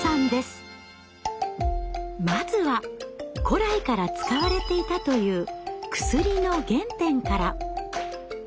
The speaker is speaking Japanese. まずは古来から使われていたという薬の原点から。